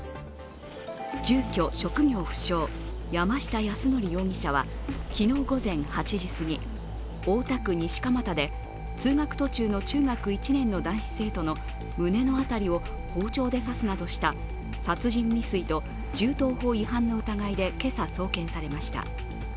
住居・職業不詳、山下泰範容疑者は昨日午前８時半すぎ大田区西蒲田で通学途中の中学１年の男子生徒の胸の辺りを包丁で刺すなどした殺人未遂と銃刀法違反の疑いで今朝送検されました。